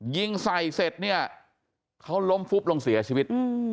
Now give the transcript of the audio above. ยิงใส่เสร็จเนี่ยเขาล้มฟุบลงเสียชีวิต